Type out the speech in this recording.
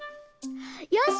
よし！